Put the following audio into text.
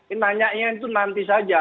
ini nanya itu nanti saja